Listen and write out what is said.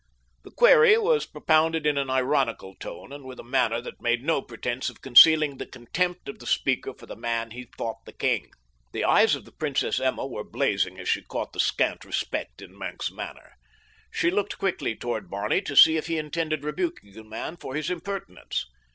The query was propounded in an ironical tone, and with a manner that made no pretense of concealing the contempt of the speaker for the man he thought the king. The eyes of the Princess Emma were blazing as she caught the scant respect in Maenck's manner. She looked quickly toward Barney to see if he intended rebuking the man for his impertinence.